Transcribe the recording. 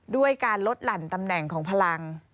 ด้วยการลดหลั่นตำแหน่งของพลัง